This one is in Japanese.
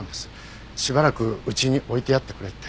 しばらくうちに置いてやってくれって。